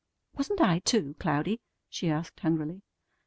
"Wasn't I, too, Cloudy?" she asked hungrily.